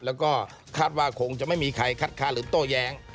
แล้วก็คาดว่าคงจะไม่มีใครคัดค้านหรือโต้แย้ง